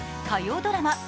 火曜ドラマ